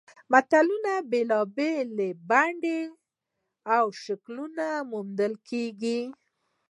متلونه په بېلابېلو بڼو او شکلونو موندل کیږي